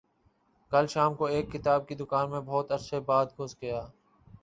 کل شام کو ایک کتاب کی دکان میں بہت عرصہ بعد گھس گیا